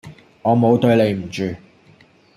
我冇對你唔住